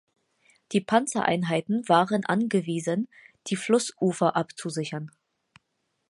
Die Panzereinheiten waren angewiesen, die Flussufer abzusichern.